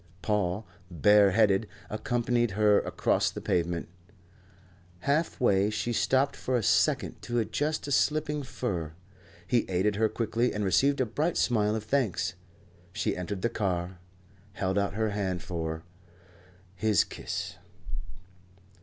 Paul, bare headed, accompanied her across the pavement. Half way she stopped for a second to adjust a slipping fur. He aided her quickly and received a bright smile of thanks. She entered the car held out her hand for, his kiss.